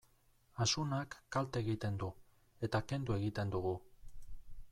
Asunak kalte egiten du, eta kendu egiten dugu.